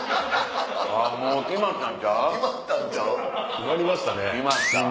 決まりましたね。